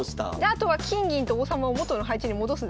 あとは金銀と王様を元の配置に戻すだけです。